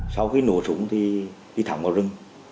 sau khi nổ súng thì đi thẳng vào rừng